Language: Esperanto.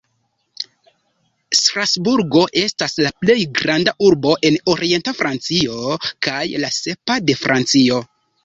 Strasburgo estas la plej granda urbo en orienta Francio, kaj la sepa de Francio.